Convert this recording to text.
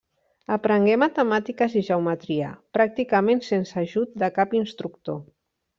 Aprengué matemàtiques i geometria, pràcticament sense ajut de cap instructor.